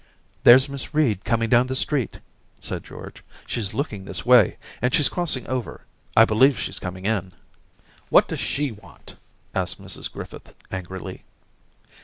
.•. 'There's Miss Reed coming down the street/ said George. 'She's looking this way, and she's crossing over. I believe she's coming in.' * What does she want ?' asked Mrs Griffith, angrily.